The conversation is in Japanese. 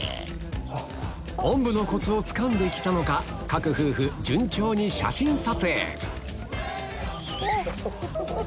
おんぶのコツをつかんできたのか各夫婦順調に写真撮影おっ！